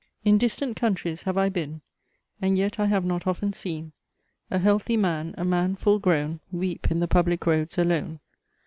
"In distant countries have I been, And yet I have not often seen A healthy man, a man full grown, Weep in the public roads, alone.